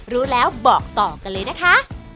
รู้แล้วบอกต่อกันเลยนะคะ